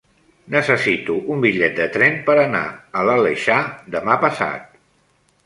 Necessito un bitllet de tren per anar a l'Aleixar demà passat.